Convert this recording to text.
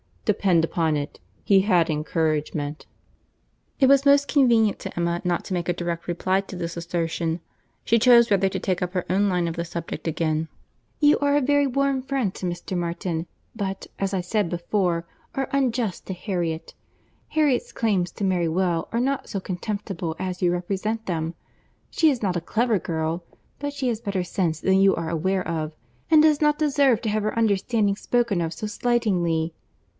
Depend upon it he had encouragement." It was most convenient to Emma not to make a direct reply to this assertion; she chose rather to take up her own line of the subject again. "You are a very warm friend to Mr. Martin; but, as I said before, are unjust to Harriet. Harriet's claims to marry well are not so contemptible as you represent them. She is not a clever girl, but she has better sense than you are aware of, and does not deserve to have her understanding spoken of so slightingly.